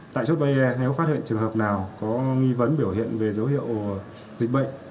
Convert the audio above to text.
tại chốt bay nếu phát hiện trường hợp nào có nghi vấn biểu hiện về dấu hiệu dịch bệnh